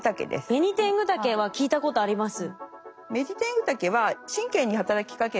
ベニテングタケは聞いたことあります。